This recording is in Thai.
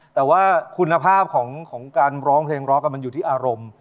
แต่ว่าคุณภาพของการร้องเพลงร็อกมันอยู่ที่อารมณ์